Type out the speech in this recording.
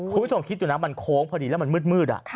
คุณผู้ชมคิดดูนะมันโค้งพอดีแล้วมันมืด